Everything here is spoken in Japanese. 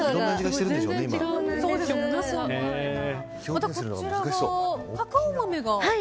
また、こちらがカカオ豆が？